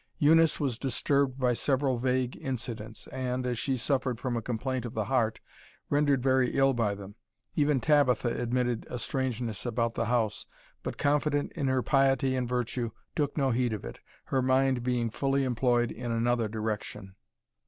Eunice was disturbed by several vague incidents, and, as she suffered from a complaint of the heart, rendered very ill by them. Even Tabitha admitted a strangeness about the house, but, confident in her piety and virtue, took no heed of it, her mind being fully employed in another direction.